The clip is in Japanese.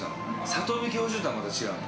里見教授はまた違うの。